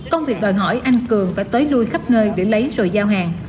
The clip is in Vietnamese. công việc đòi hỏi anh cường phải tới đuôi khắp nơi để lấy rồi giao hàng